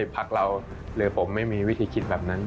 พักเราหรือผมไม่มีวิธีคิดแบบนั้น